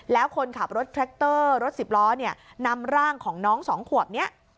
แล้วคนขับรถแทรคเตอร์รถสิบล้อเนี่ยนำร่างของน้องสองขวบนี้